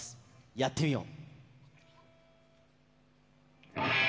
やってみよう。